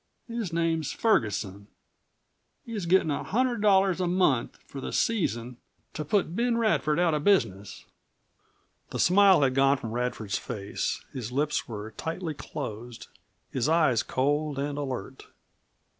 His name's Ferguson. He's gettin' a hundred dollars a month for the season, to put Ben Radford out of business!" The smile had gone from Radford's face; his lips were tightly closed, his eyes cold and alert.